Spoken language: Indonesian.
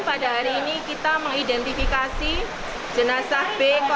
pada hari ini kita mengidentifikasi jenazah b lima